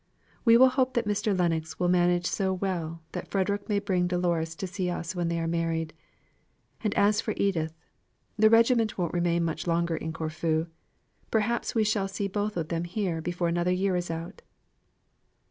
We will hope that Mr. Lennox will manage so well, that Frederick may bring Dolores to see us when they are married. And as for Edith, the regiment won't remain much longer in Corfu. Perhaps we shall see both of them here before another year is out."